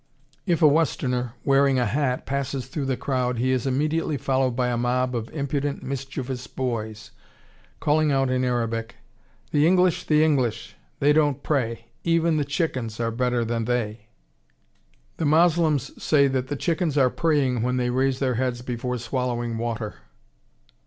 If a Westerner, wearing a hat, passes through the crowd, he is immediately followed by a mob of impudent, mischievous boys, calling out in Arabic: "The English, the English! They don't pray! Even the chickens Are better than they!" The Moslems say that the chickens are praying when they raise their heads before swallowing water.